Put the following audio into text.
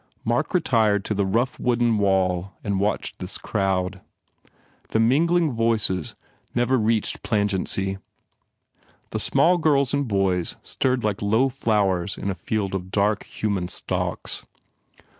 Mark retired to the rough wooden wall and watched this crowd. The mingling voices never reached plangency. The small girls and boys stirred like low flowers in a field of dark, human stalks.